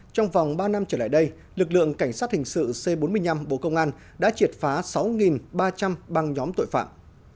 trong vòng ba năm trở lại đây lực lượng cảnh sát hình sự c bốn mươi năm bộ công an đã triệt phá sáu ba trăm linh băng nhóm tội phạm